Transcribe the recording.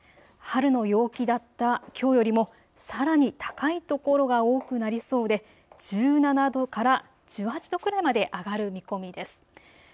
春の陽気だったきょうよりもさらに高い所が多くなりそうで１７度から１８度くらいまで上がる見込みです。